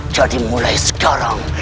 jadi mulai sekarang